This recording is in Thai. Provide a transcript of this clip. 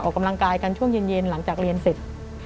ออกกำลังกายกันช่วงเย็นหลังจากเรียนเสร็จ